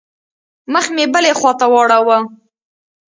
مخ مې بلې خوا ته واړاوه.